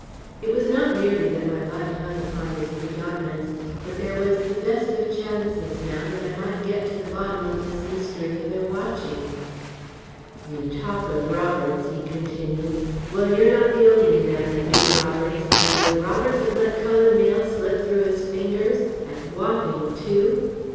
It was not merely that my life hung upon his predominance, but there was the best of chances now that I might get to the bottom of the mystery of their watching. "You talk of Roberts," he continued, "well you're not the only man that knew Roberts, and would Roberts have let Cullen Mayle slip through his fingers at Wapping too?